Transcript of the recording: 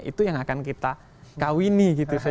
tentunya pada akhirnya adalah logikanya adalah pragmatisme